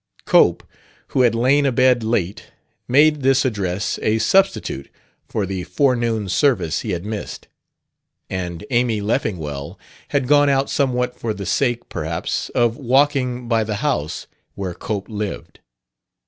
Cope, who had lain abed late, made this address a substitute for the forenoon service he had missed. And Amy Leffingwell had gone out somewhat for the sake, perhaps, of walking by the house where Cope lived.